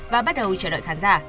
và bắt đầu chờ đợi khán giả